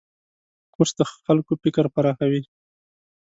کورس د خلکو فکر پراخوي.